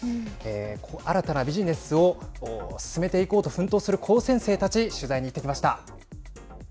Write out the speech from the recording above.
新たなビジネスを進めていこうと奮闘する高専生たち、取材に行ってきました。